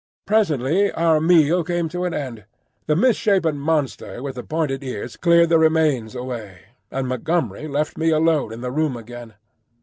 Presently our meal came to an end; the misshapen monster with the pointed ears cleared the remains away, and Montgomery left me alone in the room again.